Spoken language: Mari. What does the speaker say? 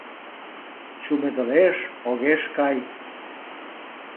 Чумедылеш, огеш кай.